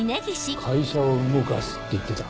「会社を動かす」って言ってた。